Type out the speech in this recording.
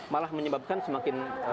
malah menyebabkan semakin